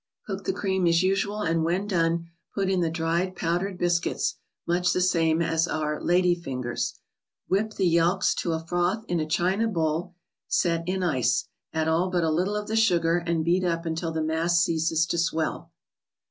Cook the cream as usual, and when done, put in the dried powdered biscuits (much the same as our " lady fin¬ gers "). Whip the yelks to a froth in a china bowl, set in ice. Add all but a little of the sugar, and beat up un¬ til the mass ceases to swell.